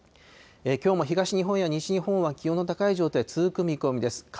きょうも東日本や西日本は気温の高い状態、続く見込みです。